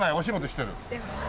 してます。